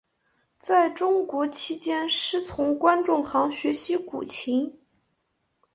在中国期间师从关仲航学习古琴。